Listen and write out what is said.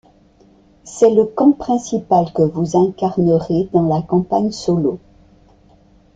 C'est le camp principal que vous incarnerez dans la campagne solo.